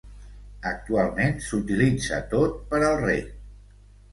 Actualment s'utilitza tot per al reg.